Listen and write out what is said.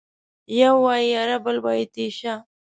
يو وايي اره ، بل وايي تېشه.